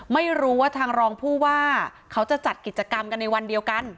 ไม่รู้ว่าทางรองผู้ว่าเขาจะจัดกิจกรรมกันในวันเดียวกัน